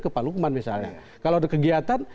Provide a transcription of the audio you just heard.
ke pak lukman misalnya kalau ada kegiatan